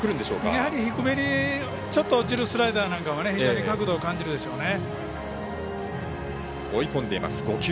やはり低めにちょっと落ちるスライダーなんか非常に角度を感じるでしょうね。